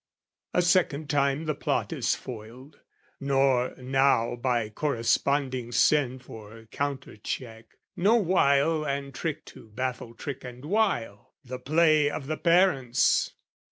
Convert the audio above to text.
A second time the plot is foiled; nor, now, By corresponding sin for countercheck, No wile and trick to baffle trick and wile, The play of the parents!